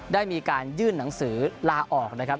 ได้มีการยื่นหนังสือลาออกนะครับ